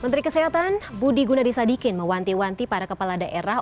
menteri kesehatan budi gunadisadikin mewanti wanti para kepala daerah